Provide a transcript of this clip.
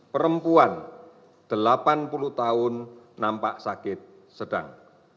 enam puluh sembilan perempuan delapan puluh tahun nampak sakit ringan sedang